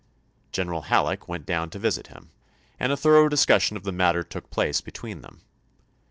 General Halleck went down to visit him, and a thorough discussion of the matter took place between them.